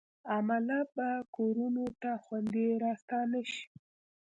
عمله به کورونو ته خوندي راستانه شي.